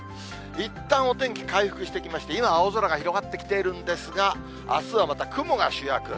いったんお天気回復してきまして、今、青空が広がってきているんですが、あすはまた雲が主役。